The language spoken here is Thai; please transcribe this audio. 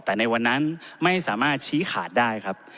แต่ในวันนั้นไม่สามารถชี้ขาดได้ครับ